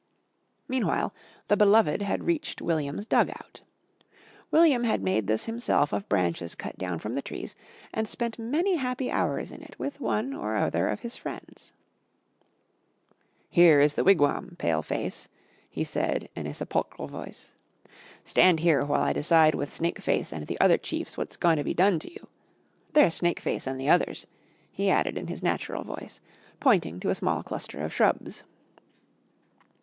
Meanwhile the beloved had reached William's "dug out." William had made this himself of branches cut down from the trees and spent many happy hours in it with one or other of his friends. "Here is the wigwam, Pale face," he said in a sepulchral voice. "Stand here while I decide with Snake Face and the other chiefs what's goin' to be done to you. There's Snake Face an' the others," he added in his natural voice, pointing to a small cluster of shrubs.